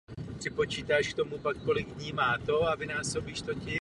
Do svého druhého grandslamového semifinále došla na domácím French Open.